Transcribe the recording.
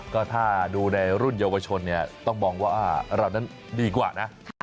ก็ถ้าดูในรุ่นเยาวชนเนี่ยต้องมองว่าเรานั้นดีกว่านะ